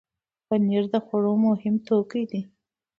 پنېر د خوړو مهم توکی دی.